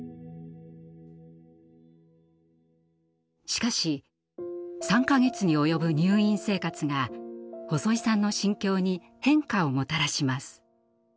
しかし３か月に及ぶ入院生活が細井さんの心境に変化をもたらします。